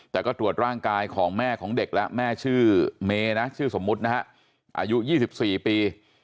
แต่ก็ตรวจร่างกายของแม่ของเด็กแล้วแม่ชื่อเมนะชื่อสมมุตินะฮะอายุ๒๔ปี